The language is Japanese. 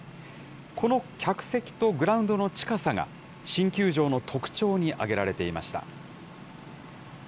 この客席とグラウンドの近さが、新球場の特徴に挙げられていました。